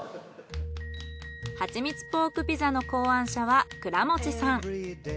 はちみつポークピザの考案者は倉持さん。